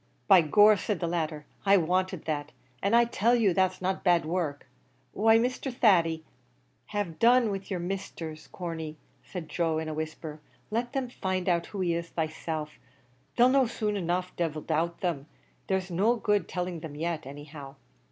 "By gor," said the latter, "I wanted that; an' I tell you that's not bad work. Why, Mr. Thady " "Have done with your Misthers, Corney," said Joe, in a whisper, "let them find out who he is theyselves. They'll know soon enough, divil doubt them! there's no good telling them yet, any how."